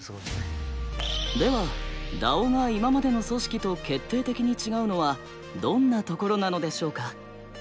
ではＤＡＯが今までの組織と決定的に違うのはどんなところなのでしょうか。